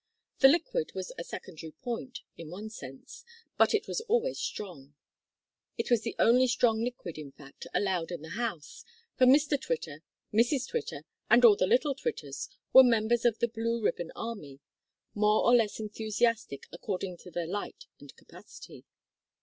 The liquid was a secondary point in one sense but it was always strong. It was the only strong liquid in fact allowed in the house, for Mr Twitter, Mrs Twitter, and all the little Twitters were members of the Blue Ribbon Army; more or less enthusiastic according to their light and capacity.